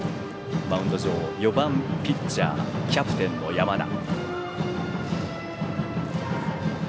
マウンド上、４番ピッチャーキャプテンの山田。